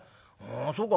「そうか。